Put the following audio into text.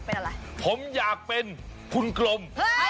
ผมอยากเป็นคุณกลม